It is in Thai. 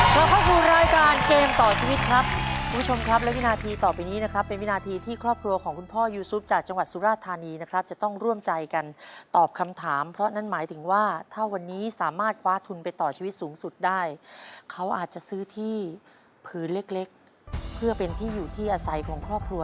เราเข้าสู่รายการเกมต่อชีวิตครับคุณผู้ชมครับและวินาทีต่อไปนี้นะครับเป็นวินาทีที่ครอบครัวของคุณพ่อยูซุปจากจังหวัดสุราธานีนะครับจะต้องร่วมใจกันตอบคำถามเพราะนั่นหมายถึงว่าถ้าวันนี้สามารถคว้าทุนไปต่อชีวิตสูงสุดได้เขาอาจจะซื้อที่ผืนเล็กเล็กเพื่อเป็นที่อยู่ที่อาศัยของครอบครัว